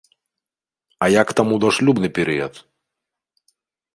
А як там у дашлюбны перыяд?